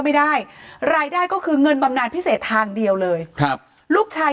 ไม่ได้รายได้ก็คือเงินบำนานพิเศษทางเดียวเลยครับลูกชาย